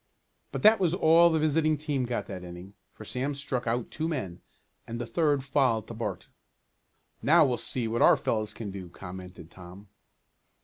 But that was all the visiting team got that inning, for Sam struck out two men, and the third fouled to Bart. "Now we'll see what our fellows can do," commented Tom.